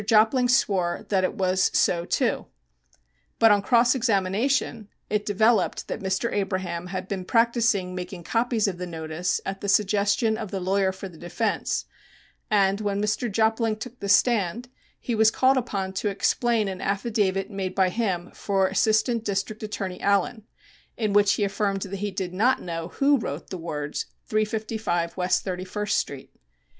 Jopling swore that that was so, too. But, on cross examination, it developed that Mr. Abraham had been practicing making copies of the notice at the suggestion of the lawyer for the defense, and, when Mr. Jopling took the stand, he was called upon to explain an affidavit made by him for Assistant District Attorney Allen, in which he affirmed that he did not know who wrote the words "355 West Thirty first Street."